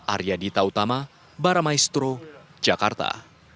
arya dita utama baramaestro jakarta